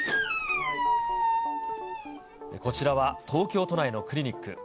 こちらは、東京都内のクリニック。